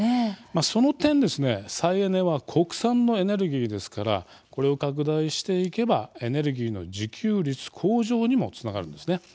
その点ですね、再エネは国産のエネルギーですからこれを拡大していけばエネルギーの自給率向上にもつながるんですね。